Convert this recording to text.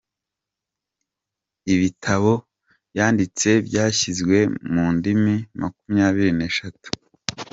Ibitabo yanditse byashyizwe mu ndimi makumyabiri n’eshatu.